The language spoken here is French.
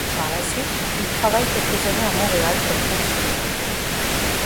Par la suite, il travaille quelques années à Montréal comme fonctionnaire.